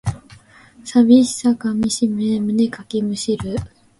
寂しさかみしめ胸かきむしる